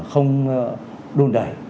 không đồn đẩy